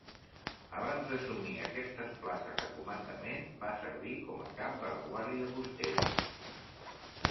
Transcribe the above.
Abans d'assumir aquestes places de comandament, va servir com a cap de la Guàrdia Costera.